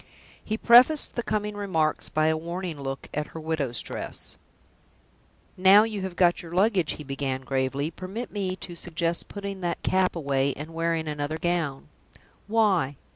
He prefaced the coming remarks by a warning look at her widow's dress. "Now you have got your luggage," he began, gravely, "permit me to suggest putting that cap away, and wearing another gown." "Why?"